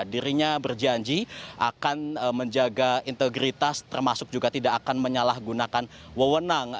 dirinya berjanji akan menjaga integritas termasuk juga tidak akan menyalahgunakan wewenang